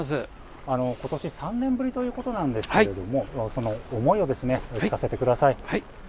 ことし３年ぶりということですがその思いを聞かせてください。